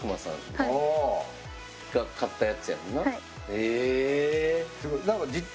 え！